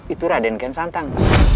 itu raden kian santang